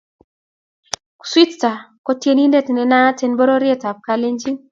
Sweetsar ko tiennindet ne naat en bororiet ab kalejin